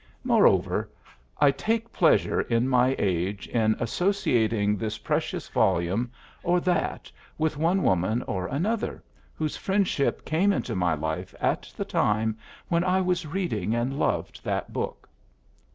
Moreover, I take pleasure in my age in associating this precious volume or that with one woman or another whose friendship came into my life at the time when I was reading and loved that book.